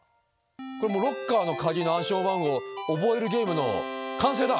これもうロッカーの鍵の暗証番号覚えるゲームの完成だ！